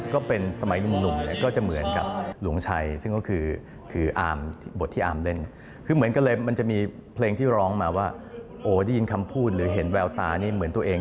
ก็เป็นสมัยหนุ่ม